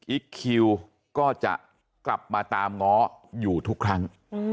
คิวก็จะกลับมาตามง้ออยู่ทุกครั้ง